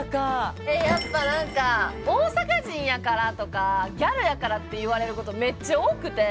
えやっぱ何か大阪人やからとかギャルやからって言われることめっちゃ多くて。